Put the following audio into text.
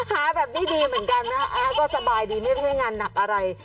หาแบบนี้ดีเหมือนกันนะคะก็สบายดีไม่ใช่งานหนักอะไร